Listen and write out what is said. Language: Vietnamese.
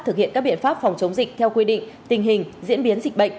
thực hiện các biện pháp phòng chống dịch theo quy định tình hình diễn biến dịch bệnh